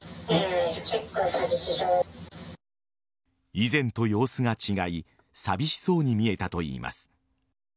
以前と様子が違い寂しそうに見えたといいます。